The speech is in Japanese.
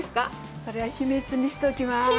それは秘密にしておきます。